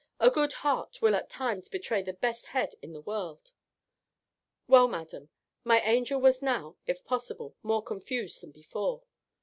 A good heart will at all times betray the best head in the world. Well, madam, my angel was now, if possible, more confused than before.